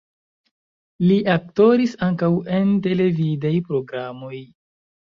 Li aktoris ankaŭ en televidaj programoj.